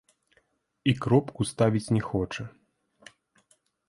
І кропку ставіць не хоча.